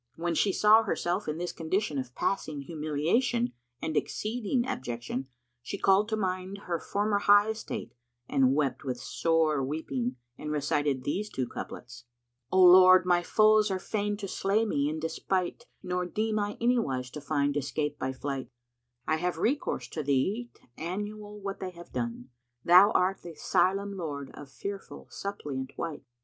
When she saw herself in this condition of passing humiliation and exceeding abjection, she called to mind her former high estate and wept with sore weeping and recited these two couplets, "O Lord my foes are fain to slay me in despight * Nor deem I anywise to find escape by flight: I have recourse to Thee t' annul what they have done; * Thou art th' asylum, Lord, of fearful suppliant wight."